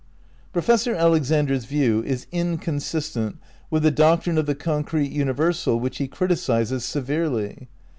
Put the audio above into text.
Professor Alexander's view is inconsistent with the doctrine of the "concrete imiversal" which he criti cises severely.